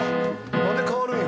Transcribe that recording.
なんで変わるんや？